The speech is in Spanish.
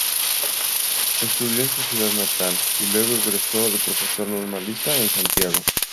Estudió en su ciudad natal y luego egresó de profesor normalista en Santiago.